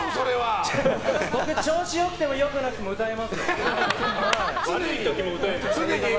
調子良くても良くなくても歌いますよ。